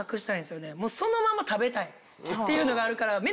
もうそのまま食べたいっていうのがあるから。